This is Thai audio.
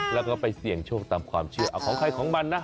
แล้วก็ไปเสี่ยงโชคตามความเชื่อเอาของใครของมันนะ